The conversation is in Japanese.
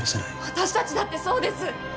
私達だってそうです！